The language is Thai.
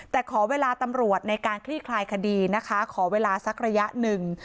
แต่ขอเวลาตำรวจในการคลี่คลายคดีนะคะขอเวลาสักระยะหนึ่ง